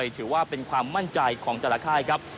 ถือว่าเป็นความมั่นใจของแต่ละค่ายครับ